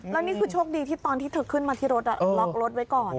แล้วนี่คือโชคดีที่ตอนที่เธอขึ้นมาที่รถล็อกรถไว้ก่อน